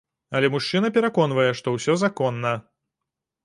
Але мужчына пераконвае, што усё законна.